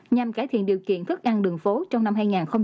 nhằm cải thiện điều kiện thức ăn đường phố trong năm hai nghìn hai mươi